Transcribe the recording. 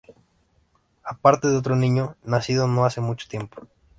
Aparte de otro niño, nacido no hace mucho tiempo.